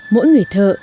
mỗi người thợ